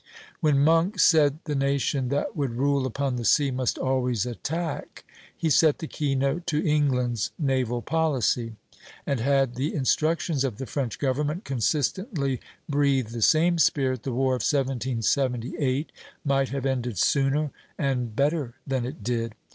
When Monk said the nation that would rule upon the sea must always attack, he set the key note to England's naval policy; and had the instructions of the French government consistently breathed the same spirit, the war of 1778 might have ended sooner and better than it did.